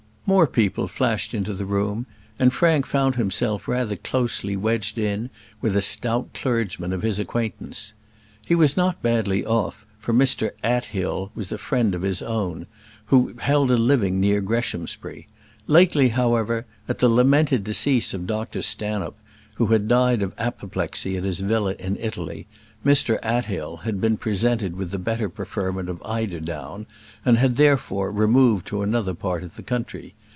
More people flashed into the room, and Frank found himself rather closely wedged in with a stout clergyman of his acquaintance. He was not badly off, for Mr Athill was a friend of his own, who had held a living near Greshamsbury. Lately, however, at the lamented decease of Dr Stanhope who had died of apoplexy at his villa in Italy Mr Athill had been presented with the better preferment of Eiderdown, and had, therefore, removed to another part of the county.